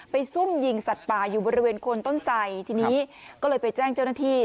ซุ่มยิงสัตว์ป่าอยู่บริเวณคนต้นไสทีนี้ก็เลยไปแจ้งเจ้าหน้าที่